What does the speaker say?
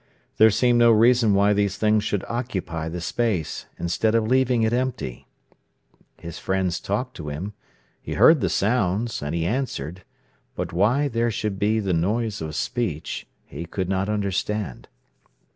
There seemed no reason why these things should occupy the space, instead of leaving it empty. His friends talked to him: he heard the sounds, and he answered. But why there should be the noise of speech he could not understand.